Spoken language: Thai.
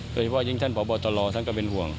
โดยเฉพาะยิ่งท่านพบตรท่านก็เป็นห่วง